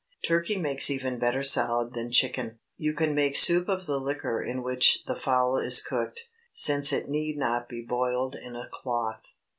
Turkey makes even better salad than chicken. You can make soup of the liquor in which the fowl is cooked, since it need not be boiled in a cloth.